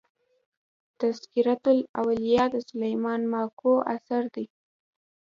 "تذکرةالاولیا" د سلیمان ماکو اثر دﺉ.